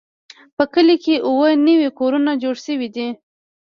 په کلي کې اووه نوي کورونه جوړ شوي دي.